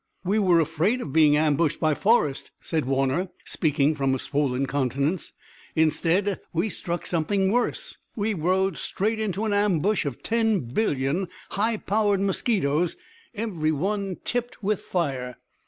"We were afraid of being ambushed by Forrest," said Warner, speaking from a swollen countenance. "Instead we struck something worse; we rode straight into an ambush of ten billion high powered mosquitoes, every one tipped with fire.